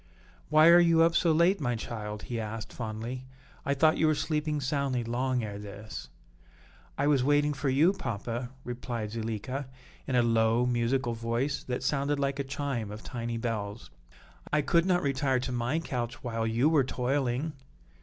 "Why are you up so late, my child?" he asked, fondly. "I thought you were sleeping soundly long ere this." "I was waiting for you, papa," replied Zuleika, in a low, musical voice, that sounded like a chime of tiny bells; "I could not retire to my couch while you were toiling."